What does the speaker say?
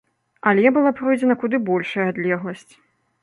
Але была пройдзена куды большая адлегласць.